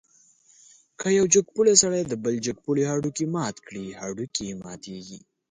که یو جګپوړی سړی د بل جګپوړي هډوکی مات کړي، هډوکی یې ماتېږي.